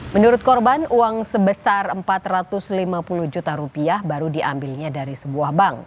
menurut korban uang sebesar empat ratus lima puluh juta rupiah baru diambilnya dari sebuah bank